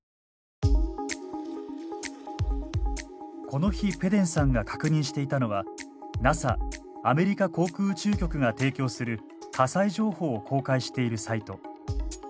この日ペデンさんが確認していたのはＮＡＳＡアメリカ航空宇宙局が提供する火災情報を公開しているサイト。